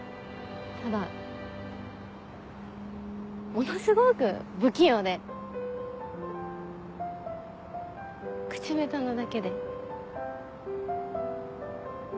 ただものすごく不器用で口下手なだけで。